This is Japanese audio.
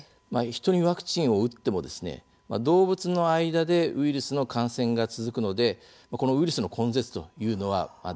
人にワクチンを打っても動物の間でウイルスの感染が続くので、ウイルスの根絶というのはできないんです。